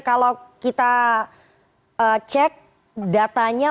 kalau kita cek datanya